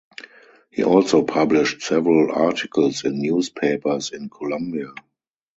He also published several articles in newspapers in Colombia.